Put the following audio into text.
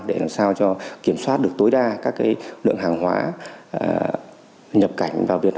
để làm sao kiểm soát được tối đa các lượng hàng hóa nhập cảnh vào việt nam